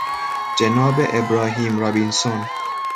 جناب ابراهیم رابینسون